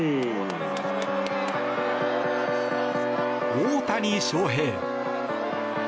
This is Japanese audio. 大谷翔平。